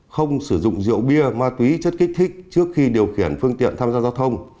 không sử dụng rượu bia ma túy chất kích thích trước khi điều khiển phương tiện tham gia giao thông